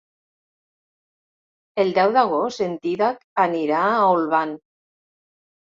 El deu d'agost en Dídac anirà a Olvan.